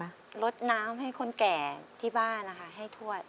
ก็ลดน้ำให้คนแก่ที่บ้านนะคะให้ทวด